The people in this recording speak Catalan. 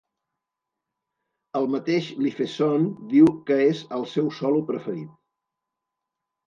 El mateix Lifeson diu que és el seu solo preferit.